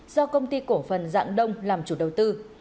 do công ty cổ phần dạng đông làm chủ đầu tư